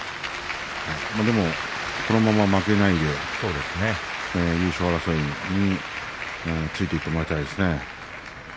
でもこのまま負けないで優勝争いについていってもらいたいですね。